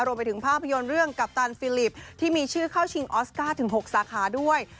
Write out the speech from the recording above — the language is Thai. รวมไปถึงภาพยนตร์เรื่องกัปตันฟิลิปที่มีชื่อเข้าชิงออสการ์ถึง๖สาขาด้วย